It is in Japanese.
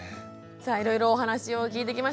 さあいろいろお話を聞いてきました。